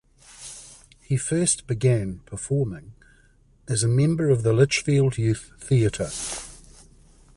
He first began performing as a member of the Lichfield Youth Theatre.